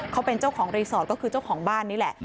เขาเป็นเจ้าของรีสอร์ทก็คือเจ้าของบ้านนี่แหละ